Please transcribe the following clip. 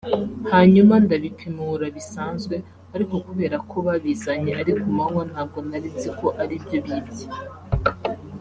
hanyuma ndabipimura bisanzwe ariko kubera ko babizanye ari ku manywa ntabwo narinzi ko aribyo bibye